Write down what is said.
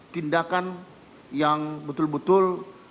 tindakan yang betul betul